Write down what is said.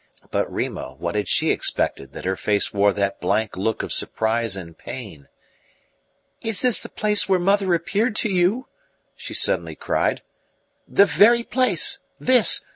But Rima, what had she expected that her face wore that blank look of surprise and pain? "Is this the place where mother appeared to you?" she suddenly cried. "The very place this!